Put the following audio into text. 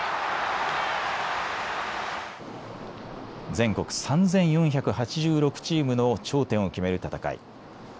全国３４８６チームの頂点を決める戦い。